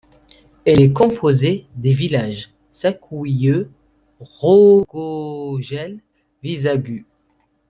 Elle est composée des villages Săcuieu, Rogojel, Vișagu.